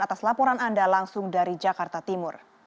atas laporan anda langsung dari jakarta timur